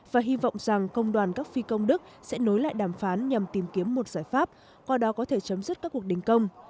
và hy vọng rằng công đoàn các phi công đức sẽ nối lại đàm phán nhằm tìm kiếm một giải pháp qua đó có thể chấm dứt các cuộc đình công